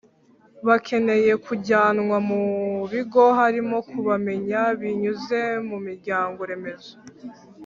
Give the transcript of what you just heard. bakeneye kujyanwa mu bigo harimo kubamenya binyuze mu miryango remezo